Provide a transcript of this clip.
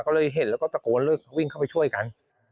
ก็เลยเห็นแล้วก็ตะโกนวิ่งเข้าไปช่วยกัน